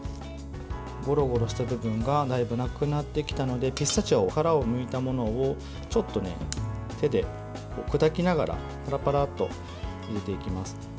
ごろごろした部分がだいぶなくなってきたのでピスタチオを殻をむいたものをちょっと手で砕きながらパラパラと入れていきます。